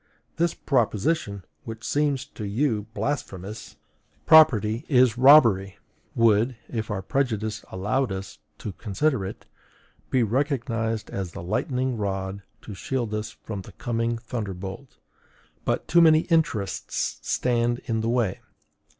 This proposition which seems to you blasphemous PROPERTY IS ROBBERY would, if our prejudices allowed us to consider it, be recognized as the lightning rod to shield us from the coming thunderbolt; but too many interests stand in the way!...